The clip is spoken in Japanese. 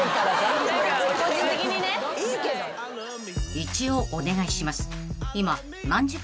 ［一応お願いします］